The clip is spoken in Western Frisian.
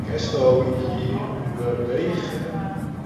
Kinsto de earm bewege?